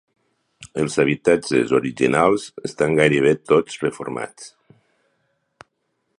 Els habitatges originals estan gairebé tots reformats.